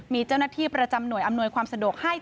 มีเจ้าหน้าที่ประจำหน่วยอำนวยความสะดวกให้